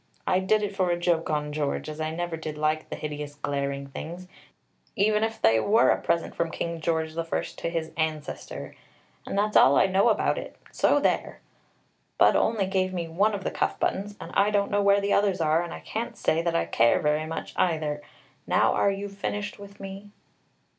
I did it for a joke on George, as I never did like the hideous glaring things, even if they were a present from King George I to his ancestor. And that's all I know about it, so there! Budd only gave me one of the cuff buttons, and I don't know where the others are, and I can't say that I care very much, either. Now are you finished with me?"